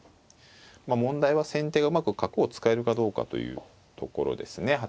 まあ問題は先手がうまく角を使えるかどうかというところですね。